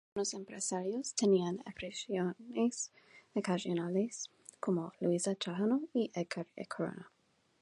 Además, algunos empresarios tenían apariciones ocasionales como Luiza Trajano y Edgard Corona.